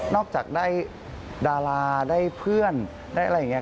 จากได้ดาราได้เพื่อนได้อะไรอย่างนี้